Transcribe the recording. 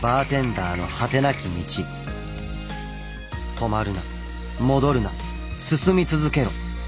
止まるな戻るな進み続けろ。